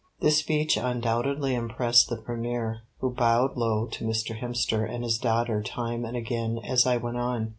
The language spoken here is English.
This speech undoubtedly impressed the Premier, who bowed low to Mr. Hemster and his daughter time and again as I went on.